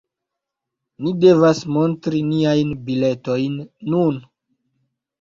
Ni devas montri niajn biletojn nun.